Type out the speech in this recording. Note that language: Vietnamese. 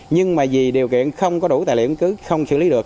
nhưng mà vì điều kiện không có đủ tài liệu cứ không xử lý được